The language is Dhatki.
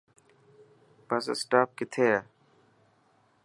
بس اسٽاپ ڪٿي هي.